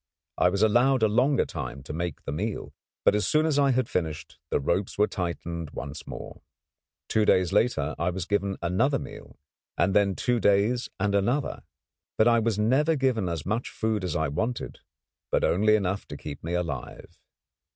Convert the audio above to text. I was allowed a longer time to make the meal, but, as soon as I had finished, the ropes were tightened once more. Two days later I was given another meal; and then two days and another. But I was never given as much food as I wanted, but only enough to keep me alive.